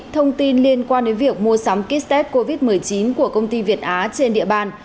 thông tin liên quan đến việc mua sắm kit test covid một mươi chín của công ty việt á trên địa bàn